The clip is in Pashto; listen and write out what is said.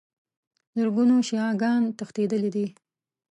زرګونو شیعه ګان تښتېدلي دي.